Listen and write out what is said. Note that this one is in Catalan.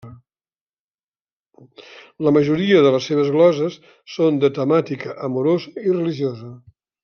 La majoria de les seves gloses són de temàtica amorosa i religiosa.